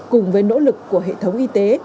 của hệ thống y tế